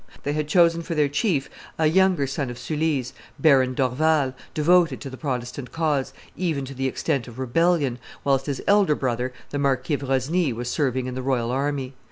They had chosen for their chief a younger son of Sully's, Baron d'Orval, devoted to the Protestant cause, even to the extent of rebellion, whilst his elder brother, the Marquis of Rosny, was serving in the royal army.